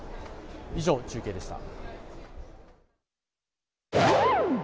以上、中継でした。